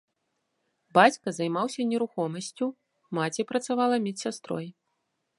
Бацька займаўся нерухомасцю, маці працавала медсястрой.